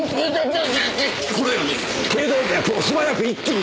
このように頸動脈を素早く一気に絞め上げる！